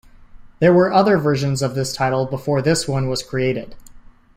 There were other versions of this title before this one was created.